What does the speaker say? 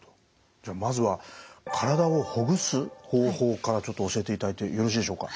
じゃあまずは体をほぐす方法からちょっと教えていただいてよろしいでしょうか？